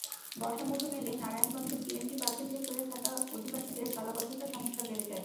বর্ষা মৌসুম এলেই নারায়ণগঞ্জের ডিএনডি বাঁধের ভেতরে থাকা অধিবাসীদের জলাবদ্ধতার সমস্যা বেড়ে যায়।